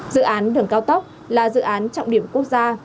dự án đường cao tốc là dự án trọng điểm quốc gia